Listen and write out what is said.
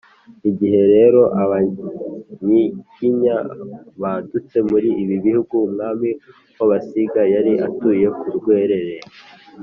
igihe rero abanyiginya badutse muri ibi bihugu, umwami w’abasinga yari atuye ku rwerere